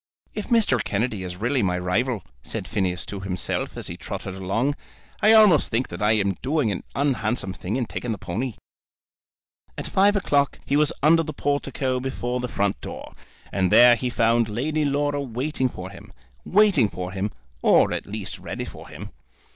"If Mr. Kennedy is really my rival," said Phineas to himself, as he trotted along, "I almost think that I am doing an unhandsome thing in taking the pony." At five o'clock he was under the portico before the front door, and there he found Lady Laura waiting for him, waiting for him, or at least ready for him.